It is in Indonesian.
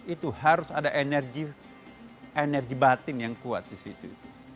itu harus ada energi batin yang kuat disitu